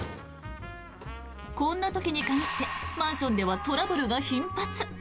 こんな時に限ってマンションではトラブルが頻発。